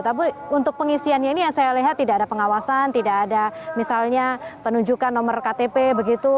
tapi untuk pengisiannya ini yang saya lihat tidak ada pengawasan tidak ada misalnya penunjukan nomor ktp begitu